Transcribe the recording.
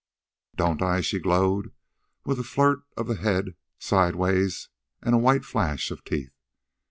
"Don't I?" she glowed, with a flirt of the head sideward and a white flash of teeth.